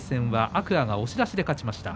天空海、押し出しで勝ちました。